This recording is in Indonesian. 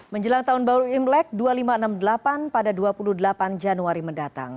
menjelang tahun baru imlek dua ribu lima ratus enam puluh delapan pada dua puluh delapan januari mendatang